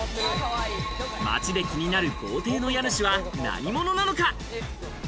街で気になる豪邸の家主は何者なのか？